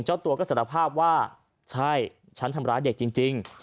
เจ้าตัวก็สารภาพว่าใช่ฉันทำร้ายเด็กจริง